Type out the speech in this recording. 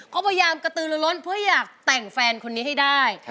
เขาพยายามกระตือละล้นเพื่ออยากแต่งแฟนคนนี้ให้ได้